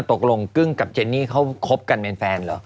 ตกลงกึ้งกับเจนนี่เขาคบกันเป็นแฟนเหรอ